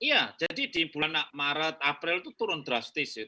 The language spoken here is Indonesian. iya jadi di bulan maret april itu turun drastis ya